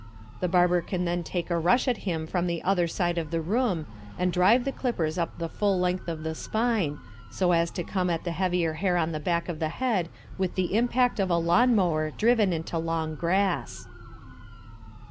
The barber can then take a rush at him from the other side of the room, and drive the clippers up the full length of the spine, so as to come at the heavier hair on the back of the head with the impact of a lawn mower driven into long grass.